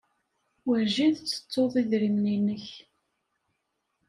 Werjin tettettuḍ idrimen-nnek.